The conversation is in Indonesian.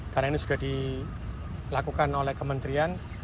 karena ini sudah dilakukan oleh kementerian